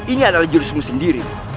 ini adalah jurusmu sendiri